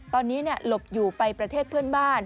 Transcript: ตอนนี้หลบอยู่ไปประเทศเพื่อนบ้าน